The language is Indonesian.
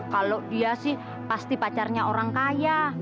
kalau dia sih pasti pacarnya orang kaya